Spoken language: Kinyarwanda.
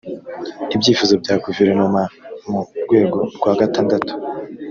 ibyifuzo bya guverinoma mu rwego rwa gatandatu